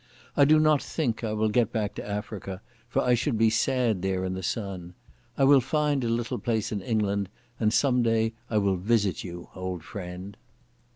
I do not think I will go back to Africa, for I should be sad there in the sun. I will find a little place in England, and some day I will visit you, old friend."